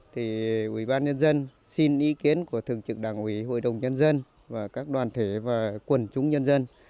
thì ubnd xin ý kiến của thường trực đảng ubnd và các đoàn thể và quần chúng nhân dân